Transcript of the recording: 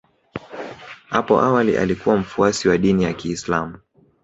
Apo awali alikuwa mfuasi wa dini ya Kiislam